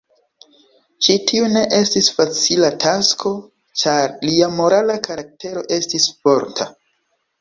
Ĉi tiu ne estis facila tasko, ĉar lia morala karaktero estis forta.